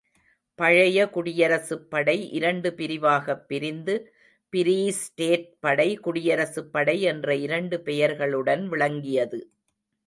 பழைய குடியரசுப் படை இரண்டு பிரிவாகப் பிரிந்து, பிரீஸ்டேட் படை, குடியரசுப் படை என்ற இரண்டு பெயர்களுடன் விளங்கியது.